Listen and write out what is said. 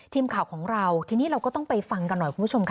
ทีมข่าวของเราทีนี้เราก็ต้องไปฟังกันหน่อยคุณผู้ชมค่ะ